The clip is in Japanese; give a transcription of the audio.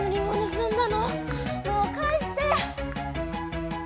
もうかえして！